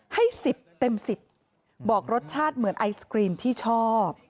ให้๑๐เต็ม๑๐บอกรสชาติเหมือนไอศกรีมที่ชอบ